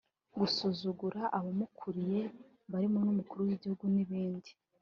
gusuzugura abamukuriye barimo n’umukuru w’igihugu n’ibindi…